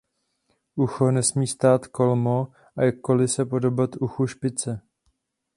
Ucho nesmí stát kolmo a jakkoli se podobat uchu špice.